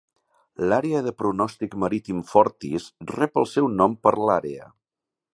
L'àrea de pronòstic marítim "Forties" rep el seu nom per l'àrea.